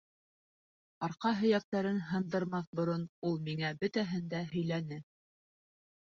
Арҡа һөйәктәрен һындырмаҫ борон, ул миңә бөтәһен дә һөйләне.